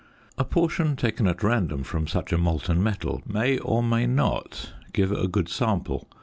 A portion taken at random from such a molten metal may, or may not, give a good sample.